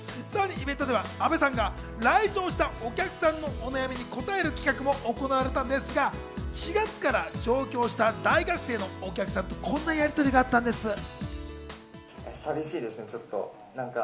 さらにイベントでは、阿部さんが来場したお客さんのお悩みに答える企画も行われたんですが、４月から上京した大学生のお客さんとこんなやりとりがあったんです。